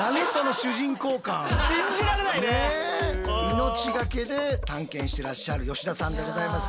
命がけで探検してらっしゃる吉田さんでございます。